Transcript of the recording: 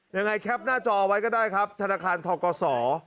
แคปหน้าจอไว้ก็ได้ครับธนาคารทกศ